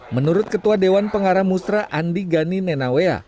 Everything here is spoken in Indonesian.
menurut ketua dewan pengarah musra andi gani nenawea